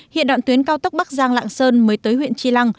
hiện đoạn tuyến cao tốc bắc giang lạng sơn mới tới huyện tri lăng